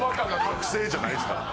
剥製じゃないですから。